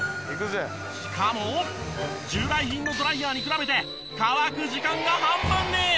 しかも従来品のドライヤーに比べて乾く時間が半分に！？